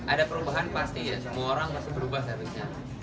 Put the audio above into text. ada perubahan pasti ya semua orang pasti berubah servisnya